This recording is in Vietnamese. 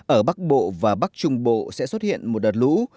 ở bắc bộ và bắc trung bộ sẽ xuất hiện một đợt lũ